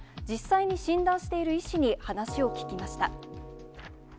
実際に診断している医師に話を聞きました。